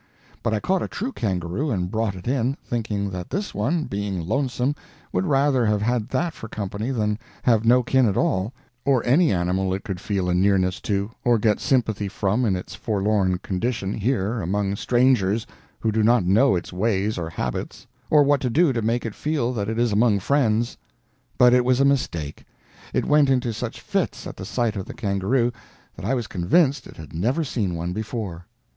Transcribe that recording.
But I caught a true kangaroo and brought it in, thinking that this one, being lonesome, would rather have that for company than have no kin at all, or any animal it could feel a nearness to or get sympathy from in its forlorn condition here among strangers who do not know its ways or habits, or what to do to make it feel that it is among friends; but it was a mistake it went into such fits at the sight of the kangaroo that I was convinced it had never seen one before.